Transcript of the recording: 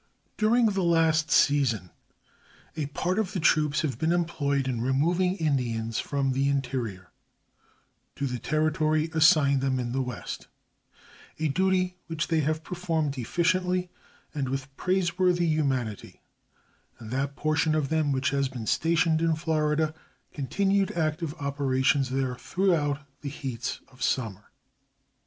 During the last season a part of the troops have been employed in removing Indians from the interior to the territory assigned them in the West a duty which they have performed efficiently and with praiseworthy humanity and that portion of them which has been stationed in Florida continued active operations there throughout the heats of summer.